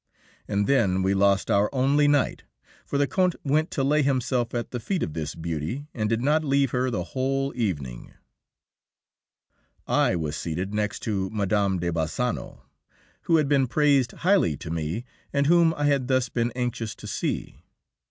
And then we lost our only knight, for the Count went to lay himself at the feet of this beauty, and did not leave her the whole evening. [Illustration: MME. COURCELLES.] I was seated next to Mme. de Bassano, who had been praised highly to me, and whom I had thus been anxious to see.